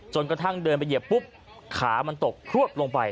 จนกระทั่งเดินไปเหยียบปุ๊บขามันตกพลวดลงไป